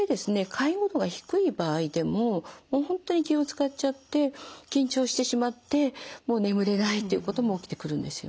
介護度が低い場合でも本当に気を遣っちゃって緊張してしまってもう眠れないっていうことも起きてくるんですよね。